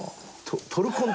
トルコン